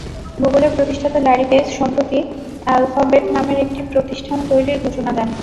গুগলের প্রতিষ্ঠাতা Larry Page সম্প্রতি অ্যালফাবেট নামের একটি প্রতিষ্ঠান তৈরির ঘোষণা দেন।